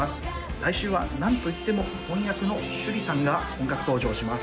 来週は何といっても鈴子役の趣里さんが登場します。